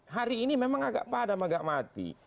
hari ini memang agak padam agak mati